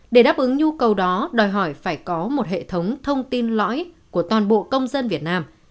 để đáp ứng nhu cầu đó đòi hỏi phải có một hệ thống thông tin lõi của toàn bộ công dân việt nam